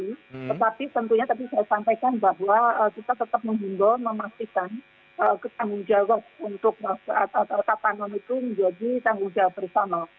tetapi tentunya tadi saya sampaikan bahwa kita tetap menghimbau memastikan ketanggung jawab untuk kata kata non hitung menjadi tanggung jawab bersama